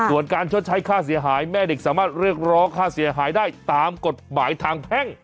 ส่วนการชดใช้ค่าเสียหายแม่เด็กสามารถเรียกร้องค่าเสียหายได้ตามกฎหมายทางแพ่ง